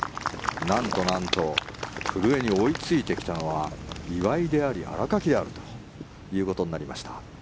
なんとなんと古江に追いついてきたのは岩井であり新垣であるということになりました。